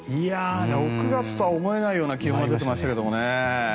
６月とは思えないような気温が出ていましたけどね。